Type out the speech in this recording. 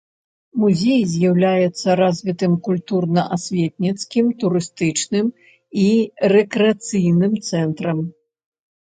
Музей з'яўляецца развітым культурна-асветніцкім, турыстычным і рэкрэацыйным цэнтрам.